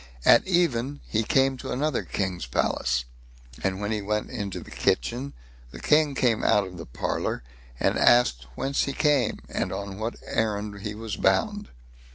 At even he came to another king's palace; and when he went into the kitchen, the King came out of the parlour, and asked whence he came, and on what errand he was bound?